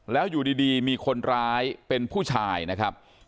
แล้วอยู่ดีมีคนร้ายเป็นผู้ชายนะครับ